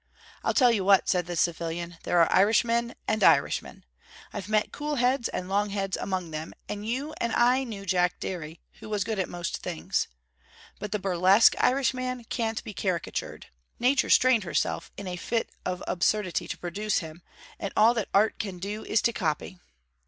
'I'll tell you what,' said the civilian, 'There are Irishmen and Irishmen. I've met cool heads and long heads among them, and you and I knew Jack Derry, who was good at most things. But the burlesque Irishman can't be caricatured. Nature strained herself in a 'fit of absurdity to produce him, and all that Art can do is to copy.'